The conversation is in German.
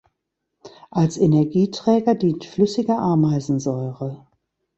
Als Energieträger dient flüssige Ameisensäure.